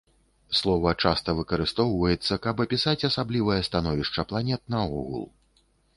Слова часта выкарыстоўваецца, каб апісаць асаблівае становішча планет наогул.